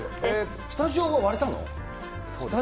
スタジオは割れたの？